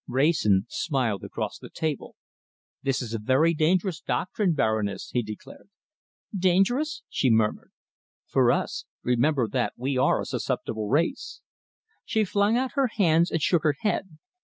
Wrayson smiled across the table. "This is a very dangerous doctrine, Baroness!" he declared. "Dangerous?" she murmured. "For us! Remember that we are a susceptible race." She flung out her hands and shook her head.